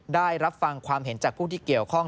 ได้รับฟังความเห็นจากผู้ที่เกี่ยวข้อง